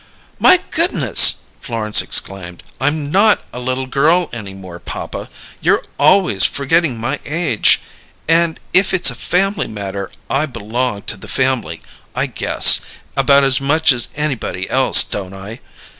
"My goodness!" Florence exclaimed. "I'm not a 'little girl' any more, papa! You're always forgetting my age! And if it's a family matter I belong to the family, I guess, about as much as anybody else, don't I?